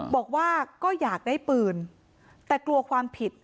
บอกว่าก็อยากได้ปืนแต่กลัวความผิด